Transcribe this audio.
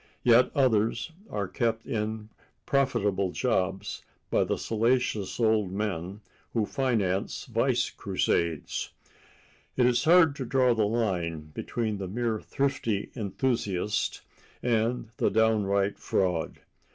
Yet others are kept in profitable jobs by the salacious old men who finance vice crusades. It is hard to draw the line between the mere thrifty enthusiast and the downright fraud.